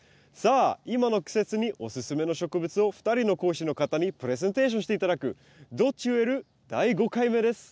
さあ今の季節におすすめの植物を２人の講師の方にプレゼンテーションして頂く「どっち植える？」